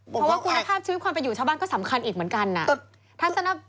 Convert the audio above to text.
เพราะว่าคุณภาพชีวิตความเป็นอยู่ชาวบ้านก็สำคัญอีกเหมือนกันนะ